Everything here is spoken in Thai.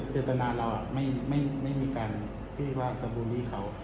เจตนาเราอะไม่มีการบูลลี่เค้า